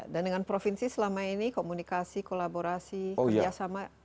dan dengan provinsi selama ini komunikasi kolaborasi kerjasama